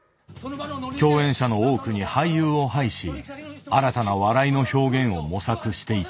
共演者の多くに俳優を配し新たな笑いの表現を模索していた。